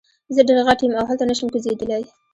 زه ډیر غټ یم او هلته نشم کوزیدلی.